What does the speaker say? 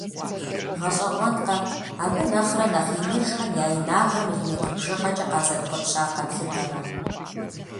ГъэщӀэгъуэнкъэ, абы нэхърэ нэхъ иныжхэм я инагъыр милиметр бжыгъэкӀэ къазэрыхуэпщар къэплъытэмэ?!